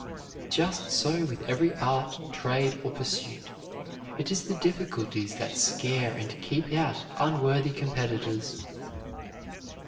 Just so with every art, trade, or pursuit; it is the difficulties that scare and keep out unworthy competitors.